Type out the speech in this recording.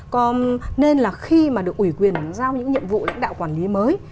còn nên là khi mà được ủy quyền giao những nhiệm vụ lãnh đạo quản lý mới